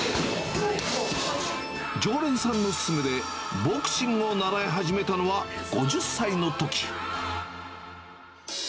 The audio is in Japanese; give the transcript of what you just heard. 常連さんの勧めで、ボクシングを習い始めたのは、５０歳のとき。